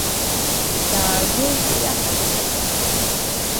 Даагылт иаҳәа ахы кны.